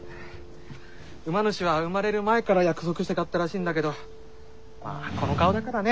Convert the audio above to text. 馬主は生まれる前から約束して買ったらしいんだけどまあこの顔だからね。